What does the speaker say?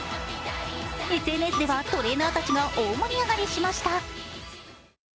ＳＮＳでは、トレーナーたちが大盛り上がりしました。